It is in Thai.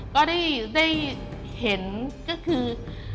ก็ได้เห็นก็คือ